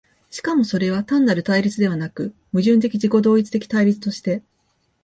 しかもそれは単なる対立ではなく、矛盾的自己同一的対立として、